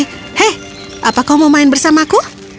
hei apa kau mau main bersamaku